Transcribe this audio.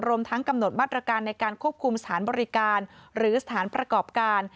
รวมทั้งกำหนดมาตรการในการควบคุมสถานบริการหรือสถานประกอบการ